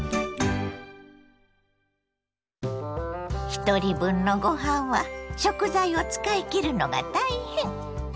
ひとり分のごはんは食材を使い切るのが大変。